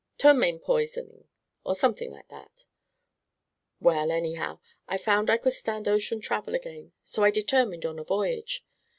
"Ptomaine poisoning, or something like that." "Well, anyhow, I found I could stand ocean travel again, so I determined on a voyage.